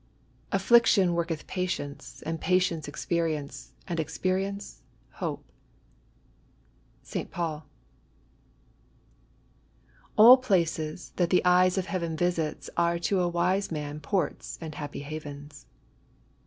" Affliction woiketh patience: and patience, ezperienoe; and experience, hope.'* St. Paul. " An places that the eye of Heaven visits Ace to awise man ports and happy havens.